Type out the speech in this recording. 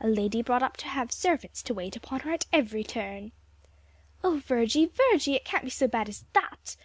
a lady brought up to have servants to wait upon her at every turn!" "O Virgie, Virgie! it can't be so bad as that!"